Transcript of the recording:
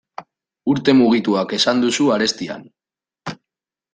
Urte mugituak esan duzu arestian.